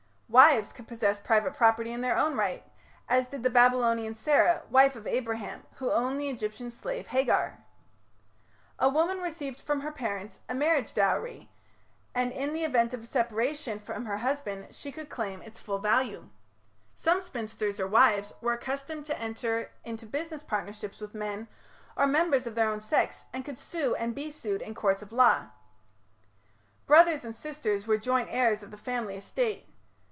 Wives could possess private property in their own right, as did the Babylonian Sarah, wife of Abraham, who owned the Egyptian slave Hagar. A woman received from her parents a marriage dowry, and in the event of separation from her husband she could claim its full value. Some spinsters, or wives, were accustomed to enter into business partnerships with men or members of their own sex, and could sue and be sued in courts of law. Brothers and sisters were joint heirs of the family estate.